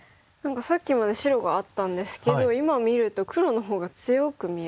さっきまで白があったんですけど今見ると黒のほうが強く見えますね。ですよね。